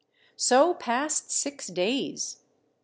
So passed six days.